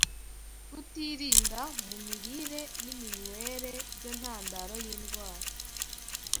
kutirinda mu mirire n’iminywere, byo ntandaro y’indwara,